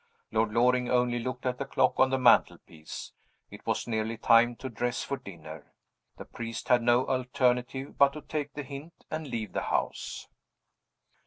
Lord Loring only looked at the clock on the mantel piece: it was nearly time to dress for dinner. The priest had no alternative but to take the hint, and leave the house.